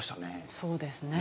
そうですね。